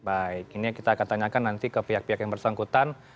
baik ini kita akan tanyakan nanti ke pihak pihak yang bersangkutan